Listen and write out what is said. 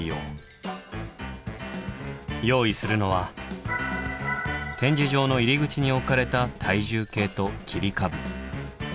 用意するのは展示場の入口に置かれた体重計と切り株。